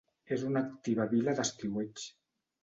És una activa vila d'estiueig.